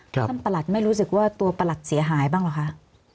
ประหลัดไม่รู้สึกว่าตัวประหลัดเสียหายบ้างเหรอคะ